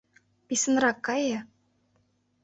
Писынрак кае.